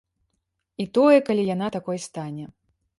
І тое, калі яна такой стане.